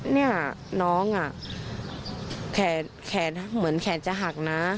เนี่ยน้องแขนเหมือนแขนจะหักนะ